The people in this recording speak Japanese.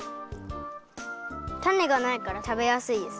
たねがないからたべやすいです。